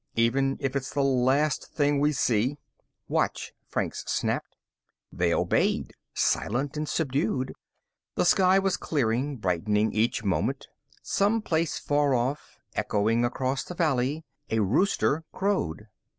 Even if it's the last thing we see " "Watch," Franks snapped. They obeyed, silent and subdued. The sky was clearing, brightening each moment. Some place far off, echoing across the valley, a rooster crowed.